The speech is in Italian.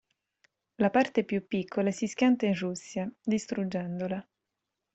La parte più piccola si schianta in Russia, distruggendola.